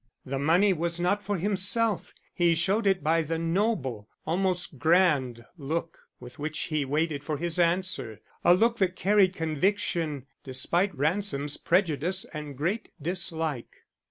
The money was not for himself; he showed it by the noble, almost grand look with which he waited for his answer; a look that carried conviction despite Ransom's prejudice and great dislike.